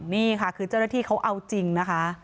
นี่ค่ะคือเจ้าหน้าที่เขาเอาจริงนะคะ